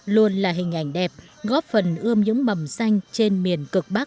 luôn là hình ảnh đẹp góp phần ươm những mầm xanh trên miền cực bắc